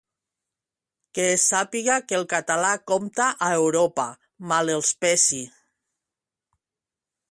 Que es sàpiga que el català compta a Europa, mal els pesi.